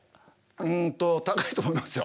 うんと高いと思いますよ。